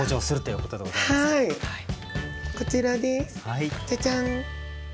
こちらです。